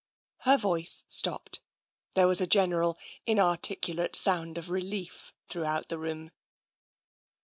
Her voice stopped. There was a general, inarticulate sound of relief throughout the room.